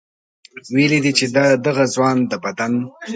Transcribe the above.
ویلي دي چې د دغه ځوان د بدن